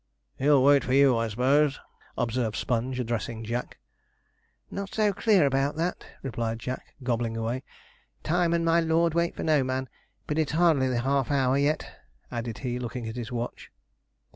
'He'll wait for you, I suppose?' observed Sponge, addressing Jack. 'Not so clear about that,' replied Jack, gobbling away; 'time and my lord wait for no man. But it's hardly the half hour yet,' added he, looking at his watch.